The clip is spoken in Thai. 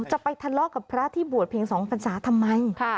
จะไปทะเลาะกับพระที่บวชเพลงสองฟรรษาทำไม